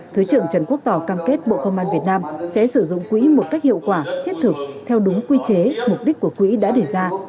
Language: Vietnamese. thứ trưởng trần quốc tỏ cam kết bộ công an việt nam sẽ sử dụng quỹ một cách hiệu quả thiết thực theo đúng quy chế mục đích của quỹ đã để ra